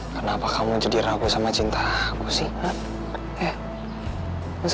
kenapa kamu jadi ragu sama cinta aku sih